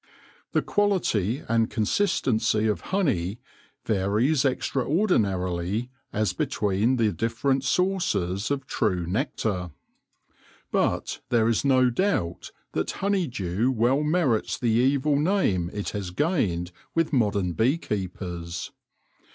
The quality and consistency of honey varies extra ordinarily as between the different sources of true I SB THE LORE OF THE HONEY BEE nectar ; but there is no doubt that honeydew well merits the evil name it has gained with modem bee keepers.